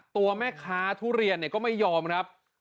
ตัวแม่ค้าทุเรียนก็ไม่ยอมครับ